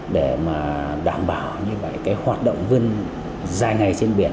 để đảm bảo hoạt động vươn dài ngày trên biển